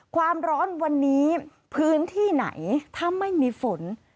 ความร้อนวันนี้พื้นที่ไหนถ้าไม่มีฝน